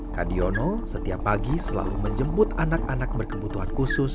kadiono setiap pagi selalu menjemput anak anak berkebutuhan khusus